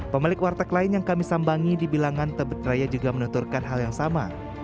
pemilik warteg lain yang kami sambangi di bilangan tebet raya juga menuturkan hal yang sama